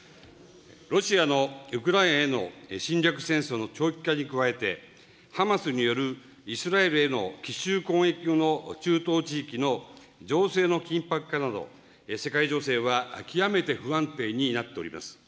ロシアのウクライナへの侵略戦争の長期化に加えて、ハマスによるイスラエルへの奇襲攻撃後の中東地域の情勢の緊迫化など、世界情勢は極めて不安定になっております。